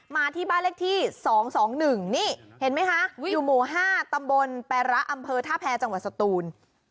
มาที่บ้านเลขที่๒๒๑นี่เห็นไหมคะอยู่หมู่๕ตำบลแประอำเภอท่าแพรจังหวัดสตูน